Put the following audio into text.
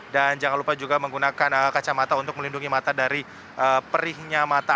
dan jangan lupa juga menggunakan kacamata untuk melindungi mata dari perihnya mata